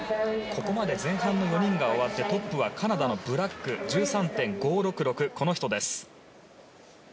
ここまで前半の４人が終わってトップはカナダのブラック１３．５６６という得点。